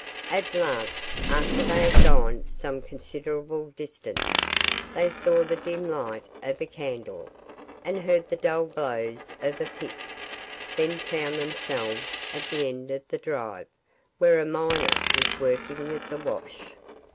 At last, after they had gone some considerable distance, they saw the dim light of a candle, and heard the dull blows of a pick, then found themselves at the end of the drive, where a miner was working at the wash.